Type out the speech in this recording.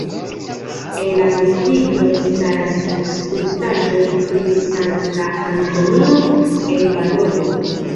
En la vestiblo staras skulptaĵo pri Sankta Antonio el Padovo.